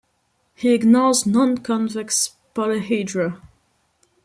He ignores nonconvex polyhedra.